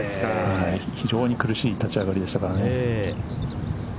非常に苦しい立ち上がりでしたからね。